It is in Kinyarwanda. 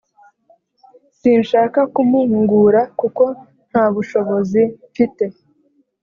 sinshaka kumuhungura kuko ntabushobozi pfite.